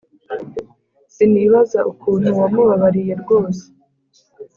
Sinibaza ukuntu wamubabariye rwose